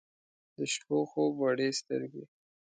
د شپو خوب وړي سترګې